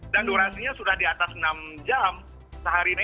dan durasinya sudah di atas enam jam seharian